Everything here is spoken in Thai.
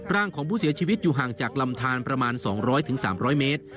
ร่างของผู้เสียชีวิตอยู่ห่างจากลำทานประมาณ๒๐๐๓๐๐เมตร